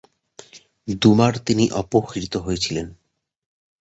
দুবার তিনি অপহৃত হয়েছিলেন।